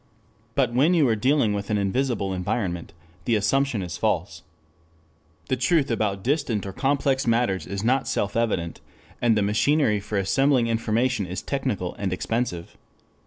But when you are dealing with an invisible environment, the assumption is false. The truth about distant or complex matters is not self evident, and the machinery for assembling information is technical and expensive.